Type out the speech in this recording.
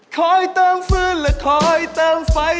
คอยเติมฟื้นและคอยเติมไฟ